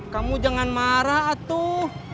kamu jangan marah atuh